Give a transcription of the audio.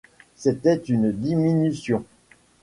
C’était une diminution.